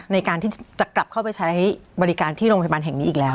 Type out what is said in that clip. ในการที่จะกลับเข้าไปใช้บริการที่โรงพยาบาลแห่งนี้อีกแล้ว